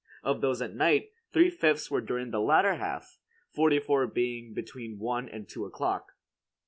Of those at night, three fifths were during the latter half, forty four being between one and two o'clock.